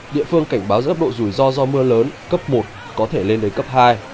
địa phương cảnh báo cấp độ rủi ro do mưa lớn cấp một có thể lên đến cấp hai